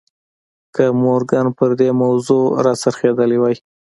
که مورګان پر دې موضوع را څرخېدلی وای